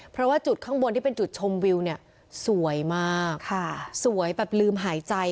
เพราะว่าจุดข้างบนที่เป็นจุดชมวิวเนี่ยสวยมากสวยแบบลืมหายใจ